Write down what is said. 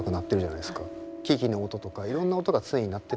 木々の音とかいろんな音が常に鳴ってて。